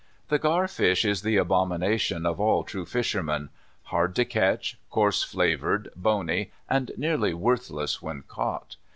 The gar fish is the abomination of all true fish ermen — hard to catch, coarse flavored, bony, and nearly worthless when caught.